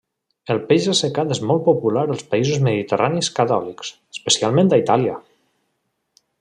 El peix assecat és molt popular als països mediterranis catòlics, especialment a Itàlia.